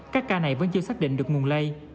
các ca này vẫn chưa xác định được nguồn lây